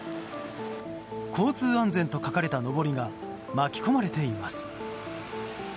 交通安全と書かれたのぼりが巻き込まれています。